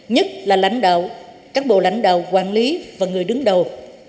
nhất là các bộ lãnh đạo quản lý và người đứng đầu